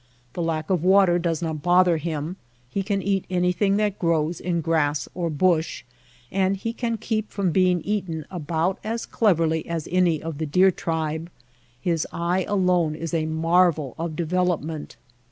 The lack of water does not bother him, he can eat anything that grows in grass or bush ; and he can keep from being eaten about as cleverly as any of the deer tribe. His eye alone is a marvel of development.